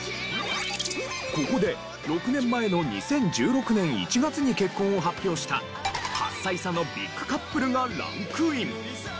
ここで６年前の２０１６年１月に結婚を発表した８歳差のビッグカップルがランクイン。